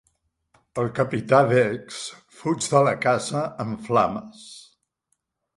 El capità Beggs fuig de la casa en flames.